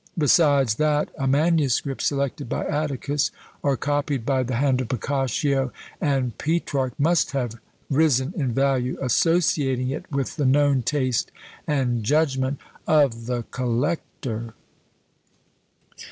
Besides that a manuscript selected by Atticus, or copied by the hand of Boccaccio and Petrarch, must have risen in value, associating it with the known taste and judgment of the COLLECTOR.